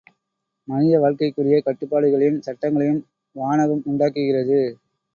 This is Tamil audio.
மனித வாழ்க்கைக்குரிய கட்டுப்பாடுகளையும், சட்டங்களையும் வானகம் உண்டாக்குகிறது.